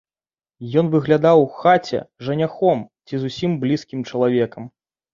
Ён выглядаў у хаце жаніхом ці зусім блізкім чалавекам.